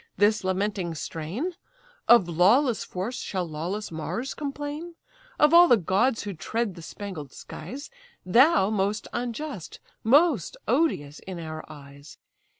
this lamenting strain? Of lawless force shall lawless Mars complain? Of all the gods who tread the spangled skies, Thou most unjust, most odious in our eyes!